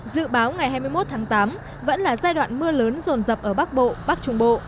dự báo ngày hai mươi một tháng tám vẫn là giai đoạn mưa lớn rồn rập ở bắc bộ bắc trung bộ